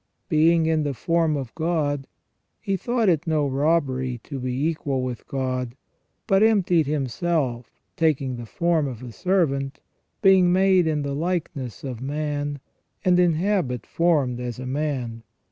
" Being in the form of God, He thought it no robbery to be equal with God : but emptied Himself, taking 338 THE RESTORATION OF MAN. the form of a servant, being made in the Hkeness of man, and in habit formed as a man.